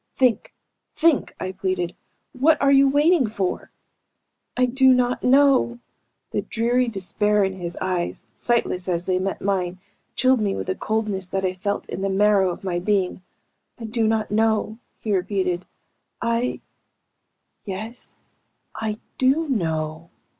"Think! Think!" I pleaded. "What are you waiting for?" "I do not know!" The dreary despair in his eyes, sightless as they met mine, chilled me with a coldness that I felt in the marrow of my being. "I do not know," he repeated. "I ... Yes, I do know!"